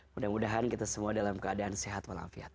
mudah mudahan kita semua dalam keadaan sehat dan hafiat